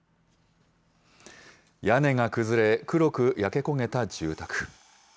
屋根が崩れ、黒く焼け焦げた住宅。